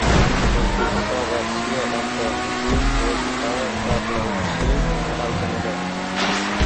O‘zbekiston – Rossiya hamkorligi O‘zA sharhlovchisi talqinida